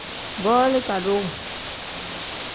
Booli kadoo.